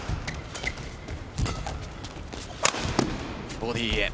ボディーへ。